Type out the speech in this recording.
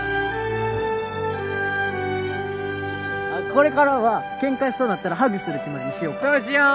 これからはケンカしそうになったらハグする決まりにしようか・そうしよう！